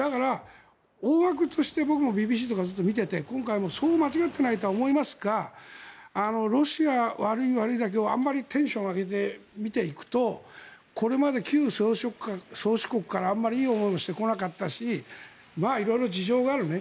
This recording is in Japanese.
大枠として僕もＢＢＣを見ていて今回もそう間違っていないとは思いますがロシア悪い悪いだけをあまりテンション上げて見ていくとこれまで旧宗主国からあまりいい思いもしてこなかったし色々事情があるよね